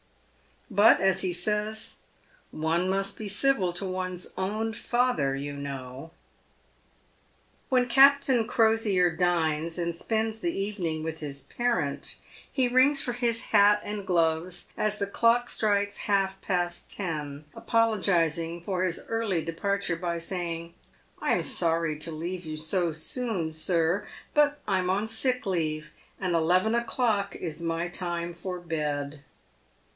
But, as he says, " one must be civil to one's own father, you know." When Captain Crosier dines and spends the evening with his parent, he rings for his hat and gloves as the clock strikes half past ten, apologising for his early departure by saying, " I'm sorry to leave you so soon, sir ; but I'm on sick leave, and eleven o'clock is my time for bed."